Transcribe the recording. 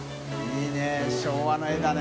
いい昭和の絵だね。